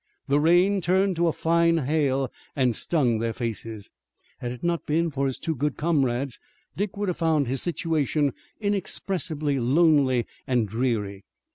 The rain turned to a fine hail and stung their faces. Had it not been for his two good comrades Dick would have found his situation inexpressibly lonely and dreary.